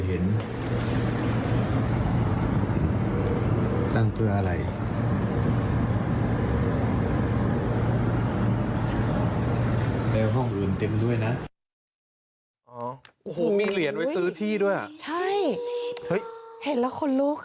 เห็นแล้วคนลุก